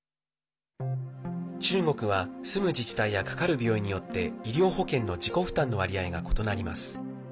中国は、住む自治体やかかる病院によって医療保険の自己負担の割合が異なります。